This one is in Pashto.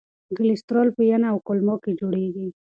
کلسترول په ینه او کولمو کې جوړېږي.